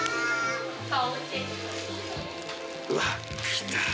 うわ来た。